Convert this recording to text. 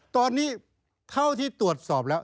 ตอนนี้เท่าที่ตรวจสอบแล้ว